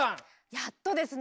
やっとですね。